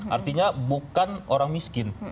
artinya bukan orang miskin